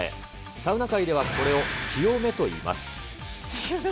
サウナ界ではこれを清めといいます。